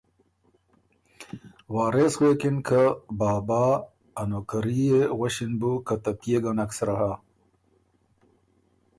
وارث غوېکِن که بابا! ا نوکري يې، غؤݭِن بُو، که ته پئے ګه نک سرۀ هۀ